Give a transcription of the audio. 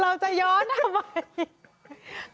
เราจะย้อนทำไม